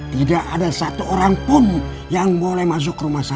tidak ada satu orang pun yang boleh masuk ke rumah sakit